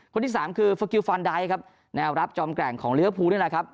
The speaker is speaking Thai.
คนที่สามคือเฟอร์กิลฟอนดายนะครับแนวรับจอมแกร่งของเลื้อพูด้วยนะครับ